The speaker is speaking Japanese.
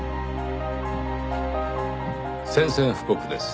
宣戦布告です。